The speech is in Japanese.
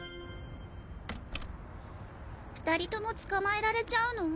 ２人とも捕まえられちゃうの？